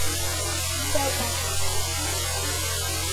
Tev patīk.